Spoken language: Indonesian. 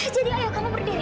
jadi ayo kamu berdiri